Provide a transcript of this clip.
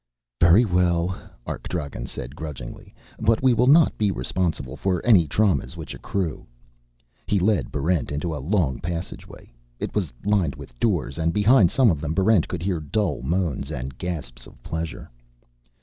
"Very well," Arkdragen said grudgingly. "But we will not be responsible for any traumas which accrue." He led Barrent into a long passageway. It was lined with doors, and behind some of them Barrent could hear dull moans and gasps of pleasure.